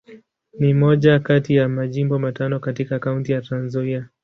Ni moja kati ya Majimbo matano katika Kaunti ya Trans-Nzoia.